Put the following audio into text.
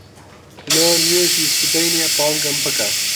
لۆ نوێژی سبەینێ بانگم بکە.